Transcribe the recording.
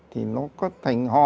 thì nó có thành ho